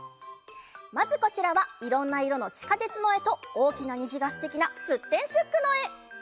まずこちらはいろんないろの「ちかてつ」のえとおおきなにじがすてきな「すってんすっく！」のえ。